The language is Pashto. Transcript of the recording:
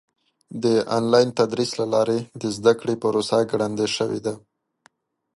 د آنلاین تدریس له لارې د زده کړې پروسه ګړندۍ شوې ده.